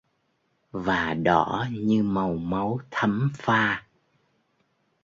Và đỏ như màu máu thắm pha